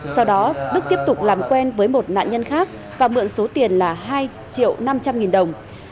sau đó đức tiếp tục làm quen với một nạn nhân khác và mượn số tiền là hai triệu năm trăm linh nghìn đồng